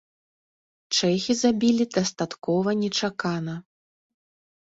Чэхі забілі дастаткова нечакана.